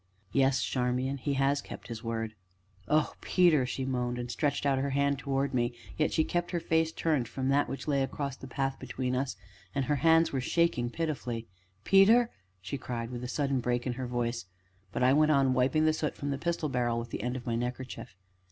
"Yes, Charmian he has kept his word!" "Oh, Peter!" she moaned, and stretched out her hands towards me, yet she kept her face turned from that which lay across the path between us, and her hands were shaking pitifully. "Peter?" she cried with a sudden break in her voice; but I went on wiping the soot from the pistol barrel with the end of my neckerchief.